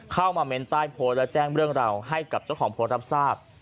เข้ามาเม้นใต้โพสต์และแจ้งเรื่องราวให้กับเจ้าของโพสต์รับทราบ